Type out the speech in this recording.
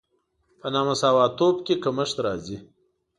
په نامساواتوب کې کمښت راځي.